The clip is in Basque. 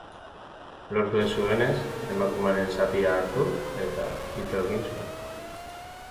Lortu ez zuenez, emakumearen zapia hartu eta ito egin zuen.